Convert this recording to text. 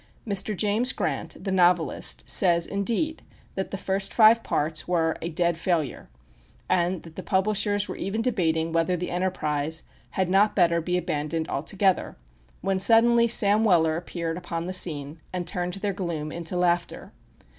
Mr James Grant, the novelist, says indeed, that the first five parts were "a dead failure," and that the publishers were even debating whether the enterprise had not better be abandoned altogether, when suddenly Sam Weller appeared upon the scene, and turned their gloom into laughter.